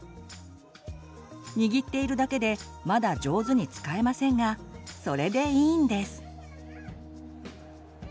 握っているだけでまだじょうずに使えませんがそれでいいんです。